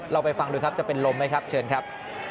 ไปฟังดูครับจะเป็นลมไหมครับเชิญครับ